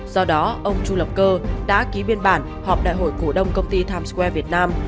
do đó ông chu lập cơ đã ký biên bản họp đại hội cổ đông công ty times square việt nam